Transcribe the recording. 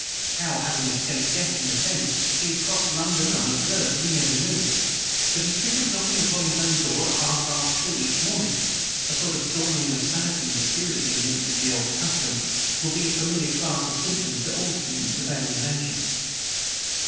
How, having escaped death in the Thames, he had crossed London unobserved, we never knew; but his trick of knocking upon his own door at half past two each morning (a sort of dawning of sanity mysteriously linked with old custom) will be a familiar class of symptom to all students of alienation.